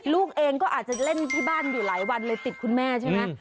ลูกเองก็อาจจะเล่นที่บ้านอยู่หลายวันเลยติดคุณแม่ใช่ไหม